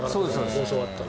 放送終わったら。